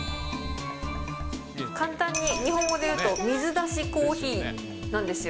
簡単に日本語で言うと、水出しコーヒーなんですよ。